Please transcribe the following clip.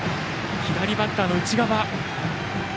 左バッターの内側。